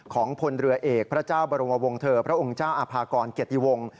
ของพลเรือเอกพระเจ้าบรมวงเถอร์พระองค์เจ้าอาภากรเกียรติวงศ์